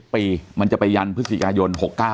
ปีมันจะไปยันพฤศจิกายน๖๙